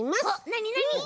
なになに？